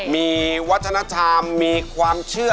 มีวัฒนธรรมมีความเชื่อ